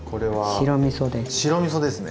白みそですね。